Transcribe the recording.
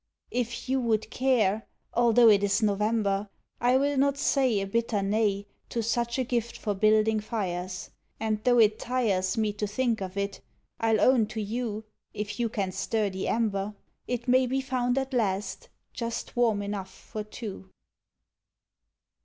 If you would care Although it is November I will not say A bitter nay To such a gift for building fires. And though it tires Me to think of it I 'll own to you (If you can stir the ember) It may be found at last, just warm enough for two!